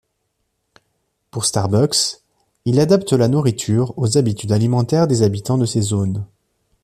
Pour Starbucks, il adapte la nourriture aux habitudes alimentaires des habitants de ces zones.